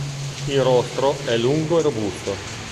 Il rostro è lungo e robusto.